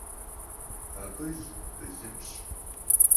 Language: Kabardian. Akhıl bılımş.